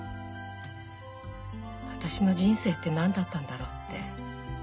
私の人生って何だったんだろうって。